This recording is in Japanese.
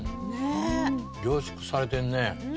凝縮されてるね。